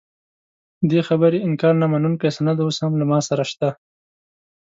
دې خبرې انکار نه منونکی سند اوس هم له ما سره شته.